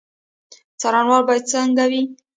څارنوال باید څنګه وي؟